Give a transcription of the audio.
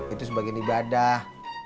itu sebagian ibadah